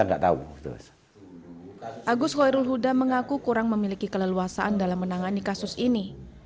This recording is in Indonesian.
enggak tahu agus hoirul huda mengaku kurang memiliki keleluasaan dalam menangani kasus ini